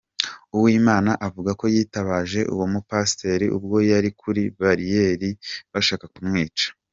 Uwimana avuga ko yitabaje uwo mupasiteri ubwo yari kuri bariyeri bashaka kumwica.